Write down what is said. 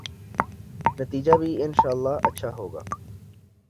نتیجہ بھی انشاء اﷲ اچھا ہو گا۔